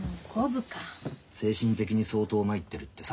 精神的に相当参ってるってさ。